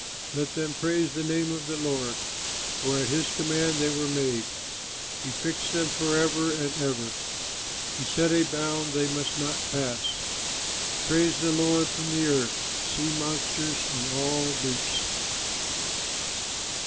Let them praise the name of the Lord, For at his command they were made; He fixed them forever and ever, Set a bound they must not pass. Praise the Lord from the earth, Sea monsters and all deeps!